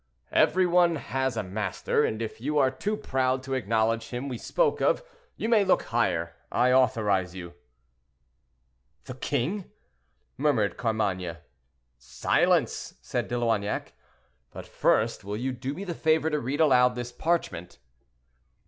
"Every one has a master; and if you are too proud to acknowledge him we spoke of, you may look higher; I authorize you." "The king!" murmured Carmainges. "Silence!" said De Loignac. "But first will you do me the favor to read aloud this parchment."